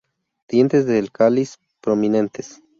Dientes del cáliz prominentes.